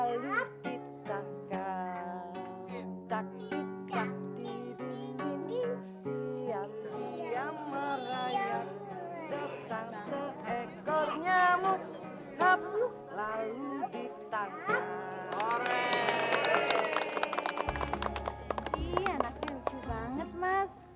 ini buat beli mainan ya